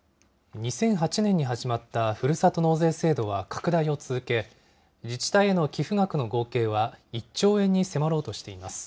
２００８年に始まったふるさと納税制度は拡大を続け、自治体への寄付額の合計は１兆円に迫ろうとしています。